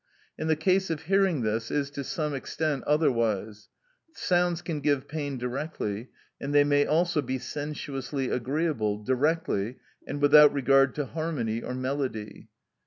In the case of hearing this is to some extent otherwise; sounds can give pain directly, and they may also be sensuously agreeable, directly and without regard to harmony or melody.